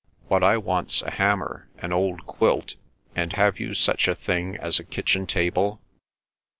What I want's a hammer, an old quilt, and have you such a thing as a kitchen table?